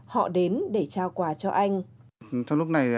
họ đến để trao quà cho anh